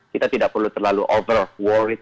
kita tidak perlu terlalu over worried